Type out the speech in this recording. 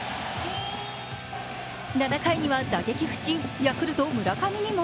７回には打撃不振、ヤクルト・村上にも